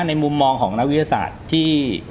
มุมมองของนักวิทยาศาสตร์ที่